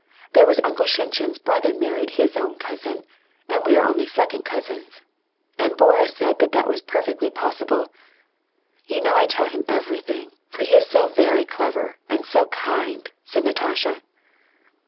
There was Uncle Shinshin's brother married his (nvn cousin, and we are only second cousins. And Boris said that that was perfectly possible. You know I tell him everything. For he is so clever and so kind," said Natasha.